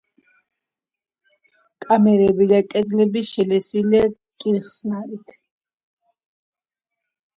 კამარები და კედლები შელესილია კირხსნარით.